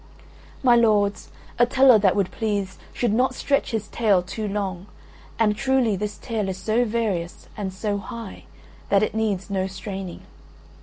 My lords, a teller that would please, should not stretch his tale too long, and truly this tale is so various and so high that it needs no straining.